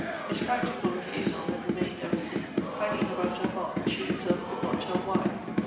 His practical refusal had remained, ever since, hanging about her heart, she herself could not tell why.